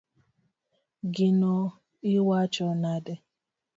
Gino iwacho nade?